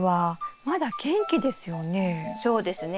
そうですね。